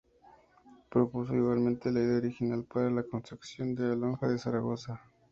Propuso igualmente la idea original para la construcción de la Lonja de Zaragoza.